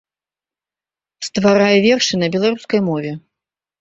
Стварае вершы на беларускай мове.